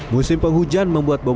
musim penghujan membuat bobonjil